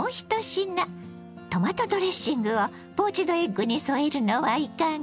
トマトドレッシングをポーチドエッグに添えるのはいかが。